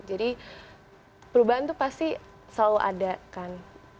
jadi perubahan itu pasti selalu ada kan